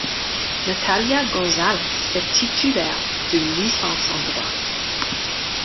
Natalia González est titulaire d'une licence en droit.